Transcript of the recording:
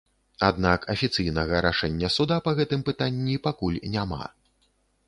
Аднак афіцыйнага рашэння суда па гэтым пытанні пакуль няма.